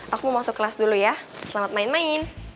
aku mau masuk kelas dulu ya selamat main main